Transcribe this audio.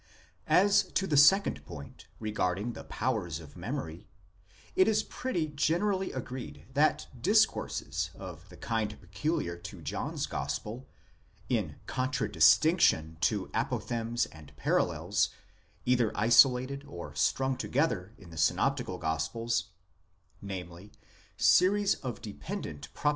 As to the second point, regarding the powers of memory, it is pretty generally agreed that discourses of the kind peculiar to John's gospel,—in contradistinction to the apophthegms and parables, either isolated or strung together, in the synoptical gospels,—namely, series of dependent propositions, 1 Wegscheider, Einl.